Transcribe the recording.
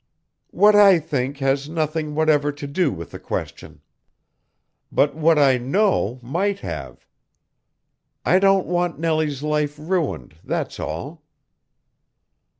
"What I think has nothing whatever to do with the question. But what I know might have. I don't want Nellie's life ruined, that's all."